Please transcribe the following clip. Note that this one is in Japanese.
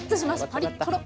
パリットロ。